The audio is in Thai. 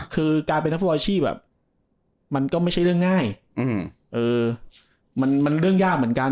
คือการเป็นนักฟุตบอลอาชีพมันก็ไม่ใช่เรื่องง่ายมันเรื่องยากเหมือนกัน